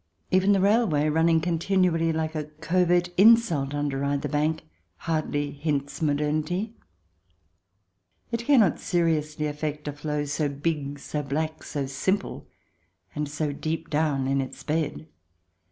Even the railway, running continually like a covert insult under either bank, hardly hints modernity ; it cannot seriously affect a flow so big, so black, so simple, and so deep down in its bed.